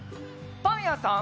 パンやさん！